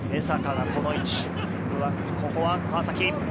ここは川崎。